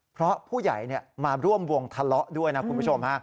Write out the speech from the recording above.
เพราะผู้ใหญ่มาร่วมวงทะเลาะด้วยนะคุณผู้ชมฮะ